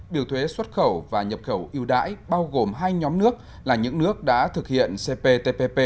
biểu thuế xuất khẩu và nhập khẩu yêu đãi bao gồm hai nhóm nước là những nước đã thực hiện cptpp